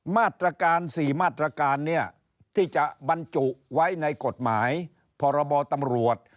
มาตรการ๔มาตรการเนี่ยที่จะบรรจุไว้ในกฎหมายพรบตำรวจ